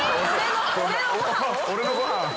俺のご飯を？